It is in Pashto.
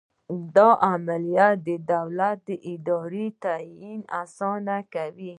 دا عملیه د دولت د دارایۍ تعین اسانه کوي.